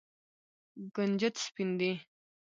کنجد سپین دي.